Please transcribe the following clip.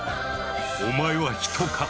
お前は人か？